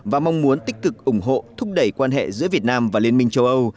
và mong muốn tích cực ủng hộ thúc đẩy quan hệ giữa việt nam và liên minh châu âu